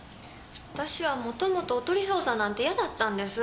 私はもともとおとり捜査なんて嫌だったんです。